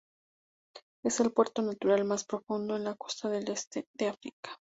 Es el puerto natural más profundo en la costa del este de África.